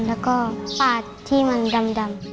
แล้วก็ปาดที่มันดำ